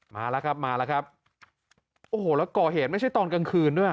มาแล้วครับมาแล้วครับโอ้โหแล้วก่อเหตุไม่ใช่ตอนกลางคืนด้วย